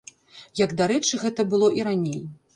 Як дарэчы, гэта было і раней.